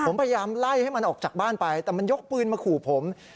ผมพยายามไล่ให้มันออกจากบ้านไปแต่มันยกปืนมาขู่ผม